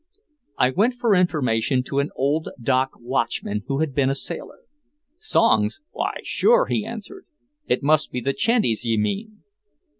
I went for information to an old dock watchman who had been a sailor. "Songs? Why sure!" he answered. "It must be the chanties ye mean."